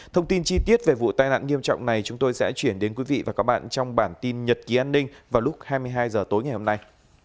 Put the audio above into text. thông tin chi tiết về vụ tai nạn nghiêm trọng này chúng tôi sẽ chuyển đến quý vị và các bạn trong bản tin nhật ký an ninh vào lúc hai mươi hai h tối ngày hôm nay